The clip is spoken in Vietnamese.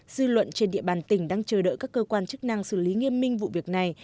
dư luận trên địa bàn tỉnh đang chờ đợi các cơ quan chức năng xử lý nghiêm minh vụ việc này